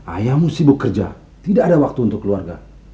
ayahmu sibuk kerja tidak ada waktu untuk keluarga